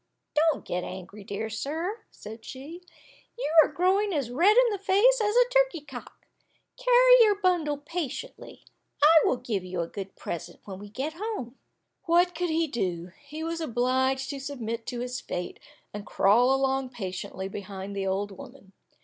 "Don't get angry, dear sir," said she, "you are growing as red in the face as a turkey cock! Carry your bundle patiently. I will give you a good present when we get home." What could he do? He was obliged to submit to his fate, and crawl along patiently behind the old woman.